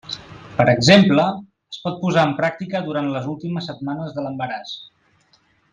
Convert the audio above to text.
Per exemple, es pot posar en pràctica durant les últimes setmanes de l'embaràs.